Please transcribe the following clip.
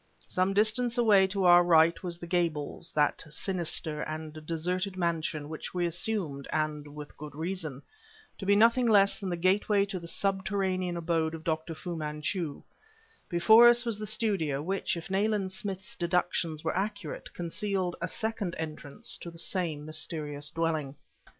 Some distance away on our right was the Gables, that sinister and deserted mansion which we assumed, and with good reason, to be nothing less than the gateway to the subterranean abode of Dr. Fu Manchu; before us was the studio, which, if Nayland Smith's deductions were accurate, concealed a second entrance to the same mysterious dwelling.